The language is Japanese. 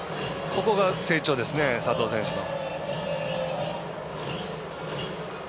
ここが成長ですね佐藤選手の。